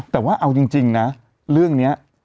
แต่ว่าเอาจริงนะเรื่องนี้